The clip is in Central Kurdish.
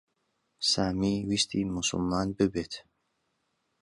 سامی ویستی موسڵمان ببێت.